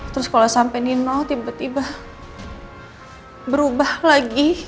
terus kalau sampai nino tiba tiba berubah lagi